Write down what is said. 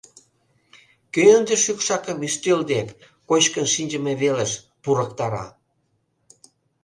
Кӧ ынде шӱкшакым ӱстел дек, кочкын шинчыме велыш, пурактара?